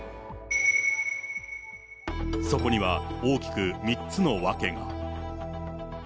そこには大きく３つの訳が。